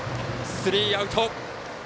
スリーアウト。